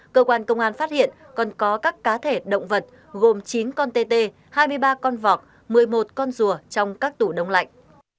cơ quan công an phát hiện còn có các cá thể động vật gồm chín con tt hai mươi ba con vọc một mươi một con rùa trong các tủ đông lạnh